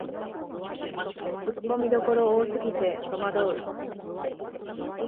ツッコミどころ多すぎてとまどう